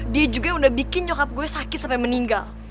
dia juga udah bikin nyokap gue sakit sampe meninggal